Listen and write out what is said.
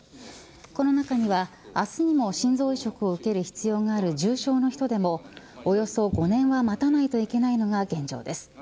この中には明日にも心臓移植を受ける必要がある重症の人でもおよそ５年は待たないといけないのが現状です。